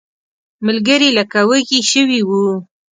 ملګري لکه چې وږي شوي وو.